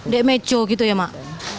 di mejo gitu ya mak